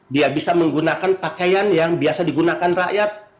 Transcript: dia bisa menggunakan pakaian yang biasa digunakan rakyat